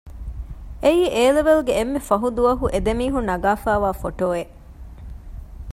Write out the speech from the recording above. އެއީ އޭލެވެލް ގެ އެންމެ ފަހު ދުވަހު އެ ދެމީހުން ނަގާފައިވާ ފޮޓޯއެއް